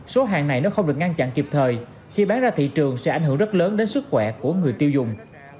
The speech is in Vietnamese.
số hàng này nếu không được ngăn chặn kịp thời khi bán ra thị trường sẽ ảnh hưởng rất lớn đến sức khỏe của người tiêu dùng